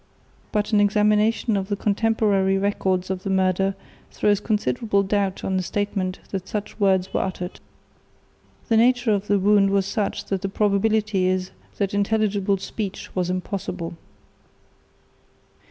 But an examination of contemporary records of the murder throws considerable doubt on the statement that such words were uttered. The nature of the wound was such that the probability is that intelligible speech was impossible.